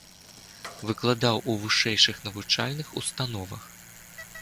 Выкладаў у вышэйшых навучальных установах.